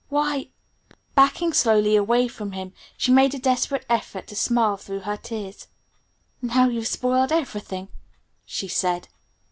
Why " Backing slowly away from him, she made a desperate effort to smile through her tears. "Now you've spoiled everything," she said.